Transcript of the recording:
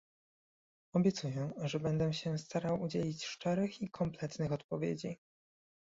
Obiecuję, że będę się starał udzielić szczerych i kompletnych odpowiedzi